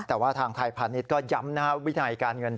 แต่ว่าทางไทยพาณิชย์ก็ย้ำนะครับวินัยการเงิน